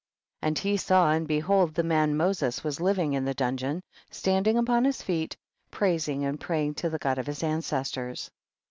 36. And he saw, and behold the man Moses was living in the dun geon, standing upon his feet, praising and praying to the God of his ances tors.